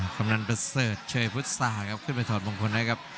ขำนันประเสิรฐเชชพุทธศาสตร์ขึ้นไปถอดบรงคลนะครับ